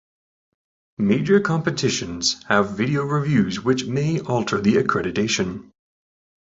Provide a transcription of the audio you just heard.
Major competitions have video reviews which may alter the accreditation.